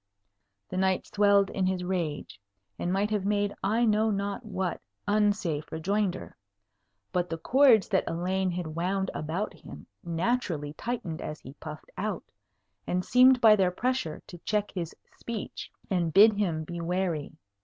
The knight swelled in his rage, and might have made I know not what unsafe rejoinder; but the cords that Elaine had wound about him naturally tightened as he puffed out, and seemed by their pressure to check his speech and bid him be wary.